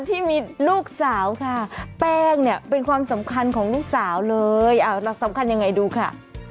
ที่มีลูกสาวค่ะแป้งเนี่ยเป็นความสำคัญของลูกสาวเลยแล้วสำคัญยังไงดูค่ะ